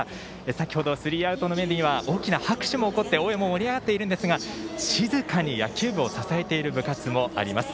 先ほどスリーアウトの場面で大きな拍手も起こって応援も盛り上がっているんですが静かに野球部を支えている部活もあります。